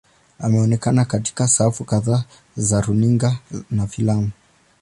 Ameonekana katika safu kadhaa za runinga na filamu.